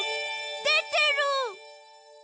でてる！